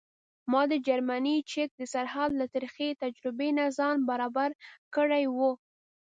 ما د جرمني چک د سرحد له ترخې تجربې نه ځان برابر کړی و.